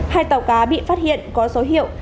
hai tàu cá bị phát hiện có số hiệu